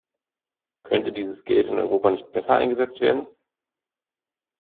Könnte dieses Geld in Europa nicht besser eingesetzt werden?